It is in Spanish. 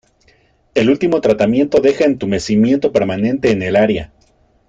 El último tratamiento deja entumecimiento permanente en el área.